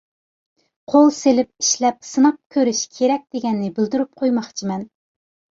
قول سېلىپ ئىشلەپ، سىناپ كۆرۈش كېرەك، دېگەننى بىلدۈرۈپ قويماقچىمەن.